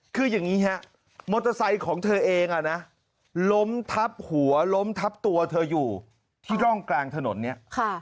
คืออย่างนี้ฮะมอเตอร์ไซค์ของเธอเองอ่ะนะล้มทับหัวล้มทับตัวเธออยู่ที่ร่องกลางถนนเนี่ย